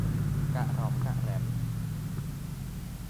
กะหร็อมกะแหร็ม